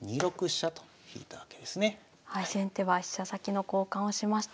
先手は飛車先の交換をしました。